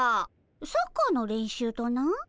サッカーの練習とな。